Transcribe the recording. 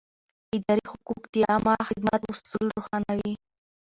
اداري حقوق د عامه خدمت اصول روښانوي.